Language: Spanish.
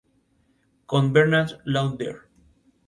Con Bernhard Landauer.